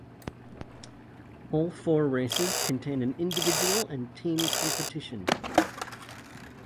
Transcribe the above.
All four races contain an individual and team competition.